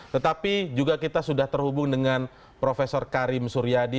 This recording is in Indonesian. tetapi juga kita sudah terhubung dengan prof karim suryadi